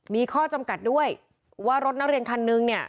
มีข้อจำกัดด้วยว่ารถนักเรียนคันนึงเนี่ย